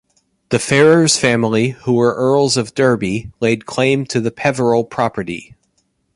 The Ferrers family who were Earls of Derby laid claim to the Peveril property.